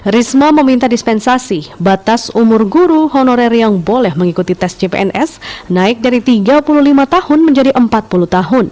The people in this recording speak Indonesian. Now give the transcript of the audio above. risma meminta dispensasi batas umur guru honorer yang boleh mengikuti tes cpns naik dari tiga puluh lima tahun menjadi empat puluh tahun